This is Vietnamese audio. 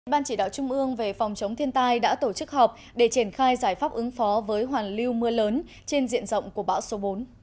ban chỉ đạo trung ương về phòng chống thiên tai đã tổ chức họp để triển khai giải pháp ứng phó với hoàn lưu mưa lớn trên diện rộng của bão số bốn